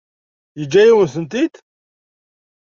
Yeǧǧa-yawen-tent-id?